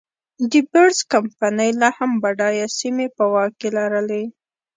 ډي بیرز کمپنۍ لا هم بډایه سیمې په واک کې لرلې.